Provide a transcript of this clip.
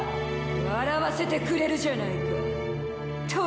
笑わせてくれるじゃないか。